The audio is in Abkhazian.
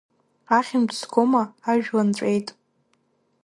Ахьмыӡӷ згома, ажәла нҵәеит!